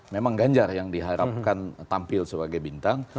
memang ganjar yang diharapkan tampil sebagai bintang